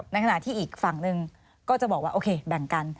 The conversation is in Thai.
ในขณะที่อีกฝั่งหนึ่งก็จะบอกว่าโอเคแบ่งกัน